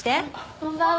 こんばんは。